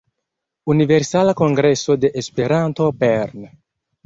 Universala Kongreso de Esperanto Bern“.